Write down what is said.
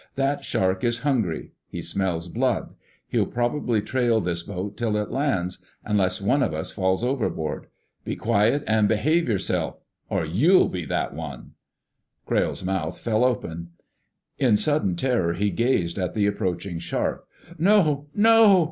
"That shark is hungry. He smells blood. He'll probably trail this boat till it lands—unless one of us falls overboard. Be quiet and behave yourself, or you'll be that one!" Crayle's mouth fell open. In sudden terror he gazed at the approaching shark. "No! No!"